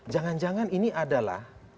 jangan jangan ini adalah